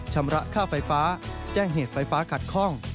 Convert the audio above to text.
ชำระค่าไฟฟ้าแจ้งเหตุไฟฟ้าขัดคล่อง